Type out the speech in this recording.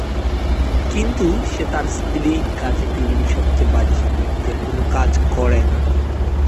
কিন্তু সে তার স্ত্রী কাছে পৃথিবীর সবচেয়ে বাজে স্বামী, যে কোন কাজ করে না।